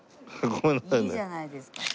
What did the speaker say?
いいじゃないですか。